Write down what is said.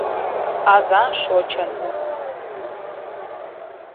Аза шочын.